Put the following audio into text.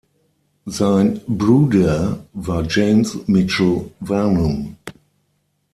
Sein Bruder war James Mitchell Varnum.